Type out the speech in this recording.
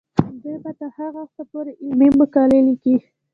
دوی به تر هغه وخته پورې علمي مقالې لیکي.